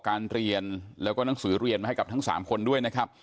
การเรียนแล้วก็หนังสือเรียนมาให้กับทั้ง๓คนด้วยนะครับ